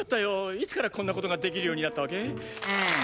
いつからこんなことができるようになったわけ？